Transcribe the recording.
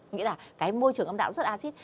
nghĩa là cái môi trường âm đạo rất acid